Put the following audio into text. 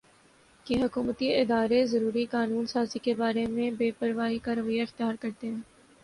کہ حکومتی ادارے ضروری قانون سازی کے بارے میں بے پروائی کا رویہ اختیار کرتے ہیں